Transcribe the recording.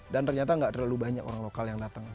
dan ternyata nggak terlalu banyak orang lokal yang datang